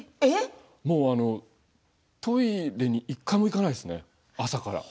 もうトイレに一回も行かないですね、朝から。